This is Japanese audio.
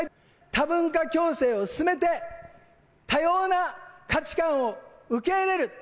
多文化共生を進めて多様な価値観を受け入れる。